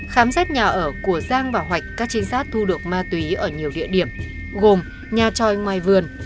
khám xét nhà ở của giang và hoạch các trinh sát thu được ma túy ở nhiều địa điểm gồm nhà tròi ngoài vườn